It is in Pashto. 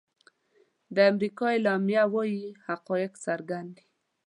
د امریکا اعلامیه وايي حقایق څرګند دي.